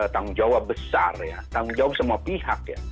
tanggung jawab besar ya tanggung jawab semua pihak ya